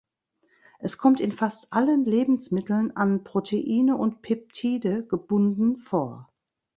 Es kommt in fast allen Lebensmitteln an Proteine und Peptide gebunden vor.